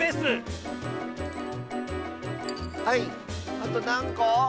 あとなんこ？